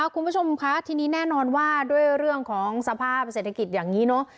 คุณผู้ชมคะทีนี้แน่นอนว่าด้วยเรื่องของสภาพเศรษฐกิจอย่างนี้เนอะ